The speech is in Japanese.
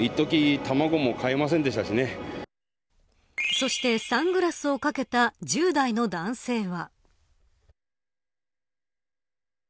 そしてサングラスを掛けた１０代の男性は。